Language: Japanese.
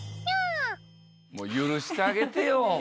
もう許してあげてよ。